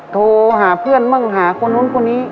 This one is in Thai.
โทรหาเพื่อนบ้างหาคนนู้นคนนี้